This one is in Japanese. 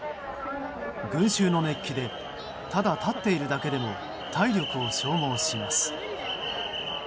群衆の熱気でただ立っているだけでも体力を消耗します。